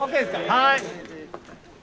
はい。